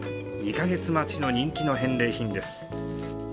２か月待ちの人気の返礼品です。